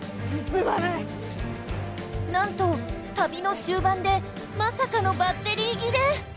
なんと旅の終盤でまさかのバッテリー切れ！